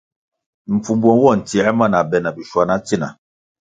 Mpfumbo nwo ntsiē ma na be bishwana tsina.